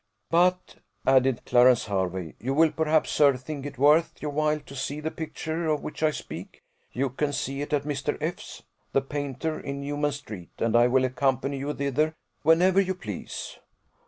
"But," added Clarence Hervey, "you will perhaps, sir, think it worth your while to see the picture of which I speak: you can see it at Mr. F 's, the painter, in Newman street; and I will accompany you thither whenever you please."